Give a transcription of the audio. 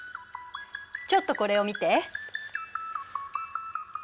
ちょっとこれを見て。